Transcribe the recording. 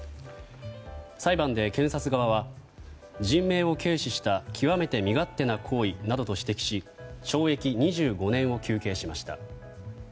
裁判で検察側は、人命を軽視した極めて身勝手な行為などと指摘し懲役２５年を求刑しました。